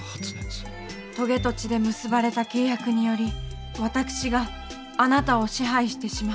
とげと血で結ばれた契約により私があなたを支配してしまう。